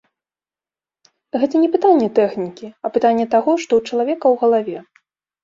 Гэта не пытанне тэхнікі, а пытанне таго, што ў чалавека ў галаве.